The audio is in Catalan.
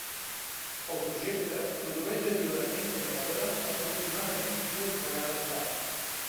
El projecte produeix alliberaments de Fedora aproximadament dues vegades l'any.